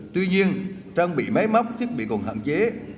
tuy nhiên trang bị máy móc thiết bị còn hạn chế